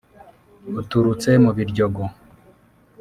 uturutse mu Biryogo